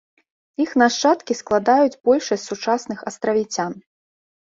Іх нашчадкі складаюць большасць сучасных астравіцян.